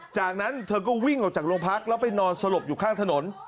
จากนั้นเธอก็วิ่งออกจากโรงพักแล้วไปนอนสลบอยู่ข้างถนน